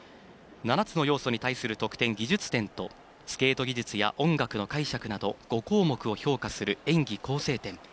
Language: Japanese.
７つの要素に対する得点技術点とスケート技術や音楽の解釈など５項目を評価する演技構成点。